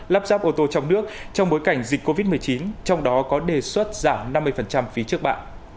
lắp ráp ô tô trong nước trong bối cảnh dịch covid một mươi chín trong đó có đề xuất giảm năm mươi phí trước bạ